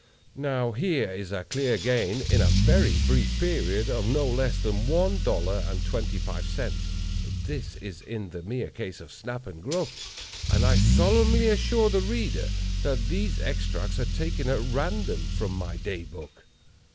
Now, here is a clear gain, in a very brief period, of no less than one dollar and twenty five cents—this is in the mere cases of Snap and Gruff; and I solemnly assure the reader that these extracts are taken at random from my Day Book.